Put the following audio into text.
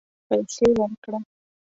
پیسې ورکړه